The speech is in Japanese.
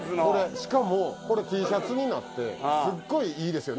しかもこれＴシャツになってすごいいいですよね